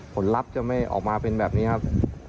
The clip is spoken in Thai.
ลัพธ์จะไม่ออกมาเป็นแบบนี้ครับ